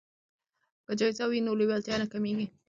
که جایزه وي نو لیوالتیا نه کمیږي.